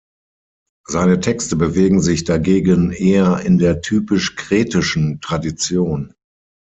Seine Texte bewegen sich dagegen eher in der typisch kretischen Tradition.